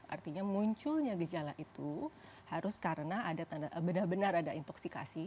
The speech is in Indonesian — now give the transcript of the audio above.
artinya munculnya gejala itu harus karena benar benar ada intoxikasi